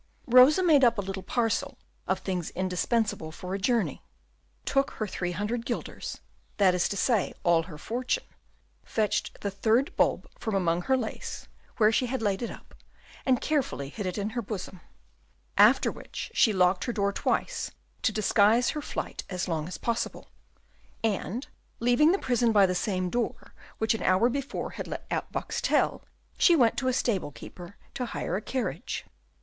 Rosa made up a little parcel of things indispensable for a journey; took her three hundred guilders, that is to say, all her fortune, fetched the third bulb from among her lace, where she had laid it up, and carefully hid it in her bosom; after which she locked her door twice to disguise her flight as long as possible, and, leaving the prison by the same door which an hour before had let out Boxtel, she went to a stable keeper to hire a carriage.